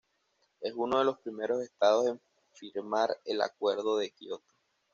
Es uno de los primeros estados en firmar el Acuerdo de Kyoto.